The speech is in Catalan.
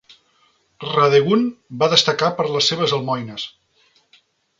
Radegund va destacar per les seves almoines.